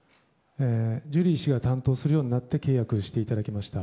ジュリー氏が担当するようになって契約していただきました。